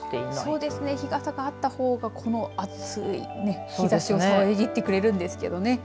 そうですね日傘があったほうがこの暑い日ざしをさえぎってくれるんですけどね。